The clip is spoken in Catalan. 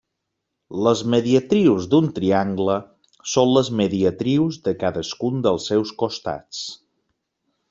Les mediatrius d'un triangle són les mediatrius de cadascun dels seus costats.